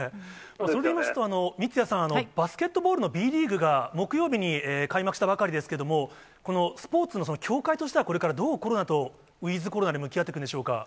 それで言いますと、三屋さん、バスケットボールのＢリーグが、木曜日に開幕したばかりですけれども、このスポーツの協会としては、これからどうコロナと、ウィズコロナに向き合っていくんでしょうか。